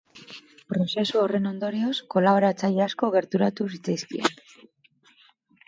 Prozesu horren ondorioz, kolaboratzaile asko gerturatu zitzaizkien.